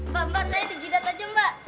mbak mbak saya di jidat aja mbak